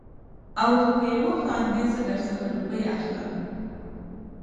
او که په يوه خاندې زه در څخه روپۍ اخلم.